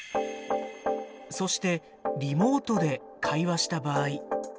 そしてリモートで会話した場合。